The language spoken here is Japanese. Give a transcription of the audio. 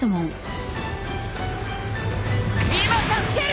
今助ける！